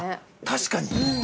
◆確かに。